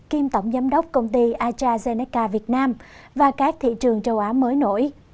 kiêm tổng giám đốc công ty achazeneca việt nam và các thị trường châu á mới nổi